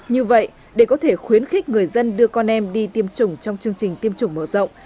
như vậy để có thể khuyến khích người dân đưa con em đi tiêm chủng trong chương trình tiêm chủng mở rộng